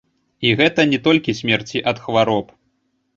І гэта не толькі смерці ад хвароб.